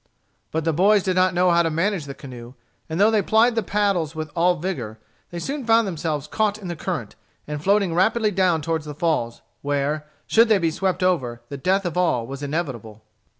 But the boys did not know how to manage the canoe, and though they plied the paddies with all vigor, they soon found themselves caught in the current, and floating rapidly down toward the falls, where, should they be swept over, the death of all was inevitable.